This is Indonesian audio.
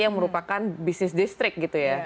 yang merupakan bisnis distrik gitu ya